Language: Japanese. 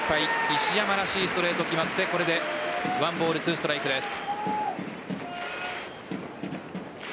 石山らしいストレート決まってこれで１ボール２ストライクです。